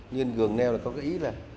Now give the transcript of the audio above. nhưng gần nèo là có cái ý là